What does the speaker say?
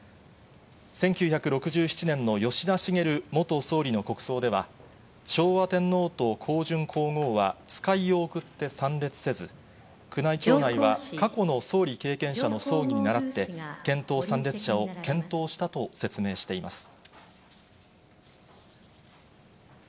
１９６７年の吉田茂元総理の国葬では、昭和天皇と香淳皇后は使いを送って参列せず、宮内庁内は、過去の総理経験者の葬儀にならって検討参列者を検討したと説明しています。